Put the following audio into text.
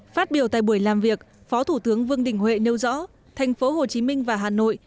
phát biểu tại buổi làm việc phó thủ tướng vương đình huệ nêu rõ thành phố hồ chí minh và hà nội